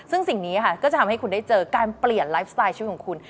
ซึ่งสิ่งนี้ค่ะก็จะทำให้คุณได้เจอการเปลี่ยนไลฟ์สไตล์ชีวิตของคุณ